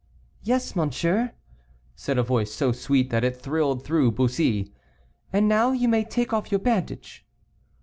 "Yes, monsieur," said a voice so sweet that it thrilled through Bussy, "and now you may take off your bandage."